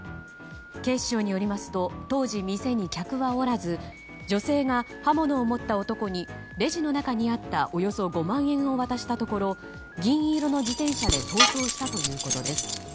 警視庁によりますと当時、店に客はおらず女性が刃物を持った男にレジの中にあったおよそ５万円を渡したところ銀色の自転車で逃走したということです。